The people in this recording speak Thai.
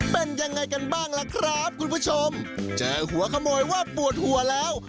เป็นยังไงกันบ้างล่ะครับคุณผู้ชมเจอหัวขโมยว่าปวดหัวแล้ว